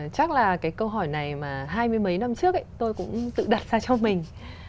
chắc là cái câu hỏi này mà hai mươi mấy năm trước tôi cũng tự đặt ra cho mình